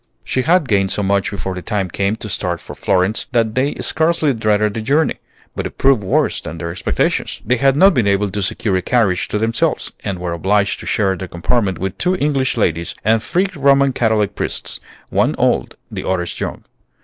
She had gained so much before the time came to start for Florence, that they scarcely dreaded the journey; but it proved worse than their expectations. They had not been able to secure a carriage to themselves, and were obliged to share their compartment with two English ladies, and three Roman Catholic priests, one old, the others young.